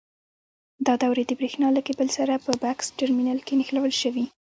دا دورې د برېښنا له کېبل سره په بکس ټرمینل کې نښلول شوي.